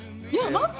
待って。